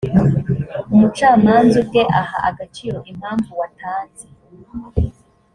umucamanza ubwe aha agaciro impamvu watanze